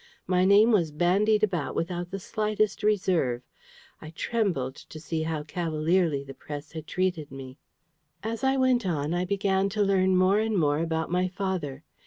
My name was bandied about without the slightest reserve. I trembled to see how cavalierly the press had treated me. As I went on, I began to learn more and more about my father.